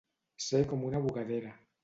Ser com una bugadera.